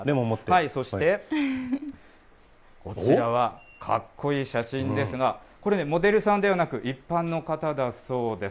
そして、こちらはかっこいい写真ですが、これね、モデルさんではなく、一般の方だそうです。